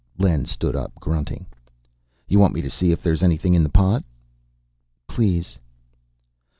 Len stood up, grunting. "You want me to see if there's anything in the pot?" "Please."